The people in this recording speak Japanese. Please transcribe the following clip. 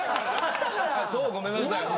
そうごめんなさい。